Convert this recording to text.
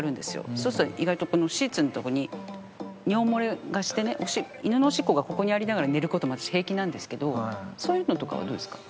そうすると意外とシーツのとこに尿漏れがしてね犬のおしっこがここにありながら寝る事も私平気なんですけどそういうのとかはどうですか？